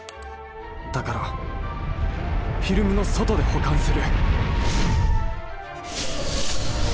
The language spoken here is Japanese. だからフィルムのそとでほかんする。